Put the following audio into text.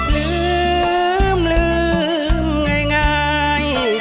ลืมลืมง่าย